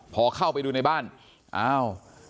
พอเข้าไปดูในบ้านอ้าว